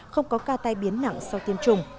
không có ca tai biến nặng sau tiêm chủng